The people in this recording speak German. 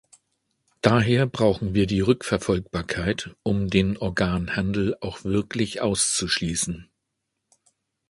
Daher brauchen wir die Rückverfolgbarkeit, um den Organhandel auch wirklich auszuschließen.